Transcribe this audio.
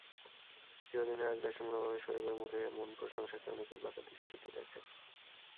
চিরদিনের আগ্রাসী মনোভাবের শোয়েবের মুখে এমন প্রশংসাকে অনেকেই বাঁকা দৃষ্টিতে দেখেন।